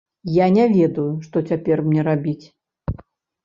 Я не ведаю, што цяпер мне рабіць?